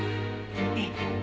ええ。